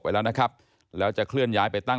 ไว้แล้วนะครับแล้วจะเคลื่อนย้ายไปตั้ง